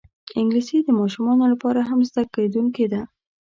انګلیسي د ماشومانو لپاره هم زده کېدونکی ده